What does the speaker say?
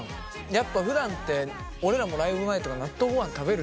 やっぱふだんって俺らもライブ前とか納豆ごはん食べるじゃん。